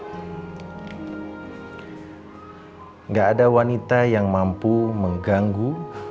tidak ada wanita yang mampu mengganggu